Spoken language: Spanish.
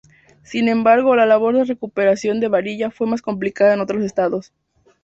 Sin embargo, la labor de recuperación de varilla fue más complicada en otros estados.